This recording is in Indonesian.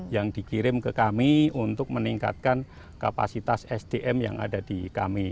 yang dikirim ke kami untuk meningkatkan kapasitas sdm yang ada di kami